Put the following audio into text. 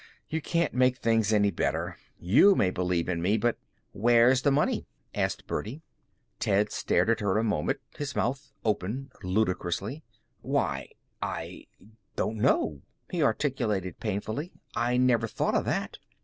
You can't make things any better. You may believe in me, but " "Where's the money?" asked Birdie. Ted stared at her a moment, his mouth open ludicrously. "Why I don't know," he articulated, painfully. "I never thought of that."